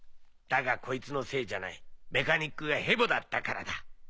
だがこいつのせいじゃないメカニックがヘボだったからだ。